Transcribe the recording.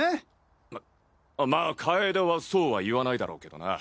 ままあ楓はそうは言わないだろうけどな。